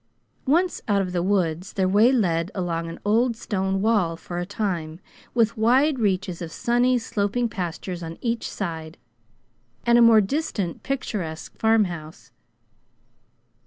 Once out of the woods, their way led along an old stone wall for a time, with wide reaches of sunny, sloping pastures on each side, and a more distant picturesque farmhouse.